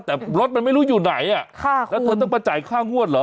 แต่รถมันไม่รู้อยู่ไหนแล้วเธอต้องมาจ่ายค่างวดเหรอ